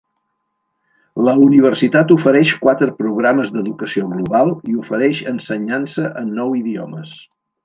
La universitat ofereix quatre programes d'educació global i ofereix ensenyança en nou idiomes.